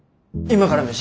今から飯？